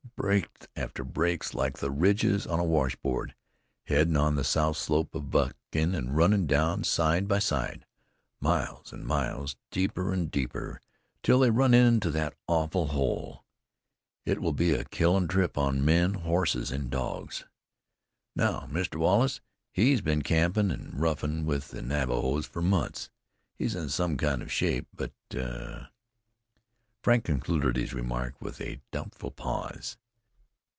Breaks after breaks, like the ridges on a washboard, headin' on the south slope of Buckskin, an' runnin' down, side by side, miles an' miles, deeper an' deeper, till they run into that awful hole. It will be a killin' trip on men, horses an' dogs. Now, Mr. Wallace, he's been campin' an' roughin' with the Navajos for months; he's in some kind of shape, but " Frank concluded his remark with a doubtful pause.